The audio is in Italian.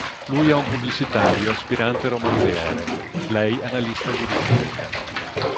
Lui è un pubblicitario aspirante romanziere, lei analista di ricerca.